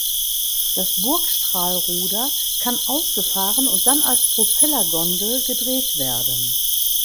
Das Bugstrahlruder kann ausgefahren und dann als Propellergondel gedreht werden.